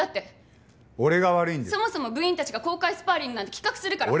そもそも部員たちが公開スパーリングなんて企画するから。